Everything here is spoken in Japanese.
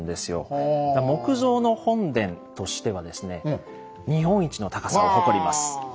木造の本殿としてはですね日本一の高さを誇ります。